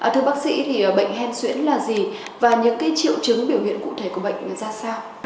thưa bác sĩ thì bệnh hen xuyễn là gì và những triệu chứng biểu hiện cụ thể của bệnh ra sao